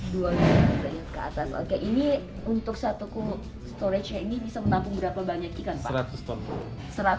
dua meter ke atas oke ini untuk satu storage nya ini bisa menampung berapa banyak ikan pak